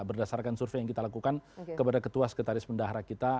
berdasarkan survei yang kita lakukan kepada ketua sekretaris pendahara kita